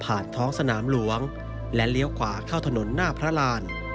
ท้องสนามหลวงและเลี้ยวขวาเข้าถนนหน้าพระราน